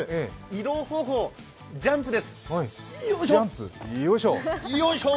移動方法、ジャンプです、よいしょ。